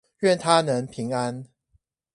願他能平安